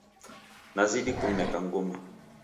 Nazidi kumneka nguma